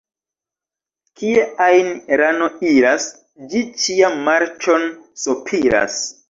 Kie ajn rano iras, ĝi ĉiam marĉon sopiras.